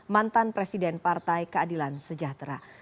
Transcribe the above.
mantan presiden partai keadilan sejahtera